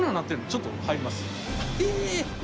ちょっと入ります。え！